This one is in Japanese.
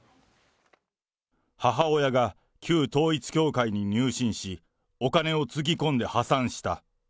母親が旧統一教会に入信し、お金をつぎ込んで破産した。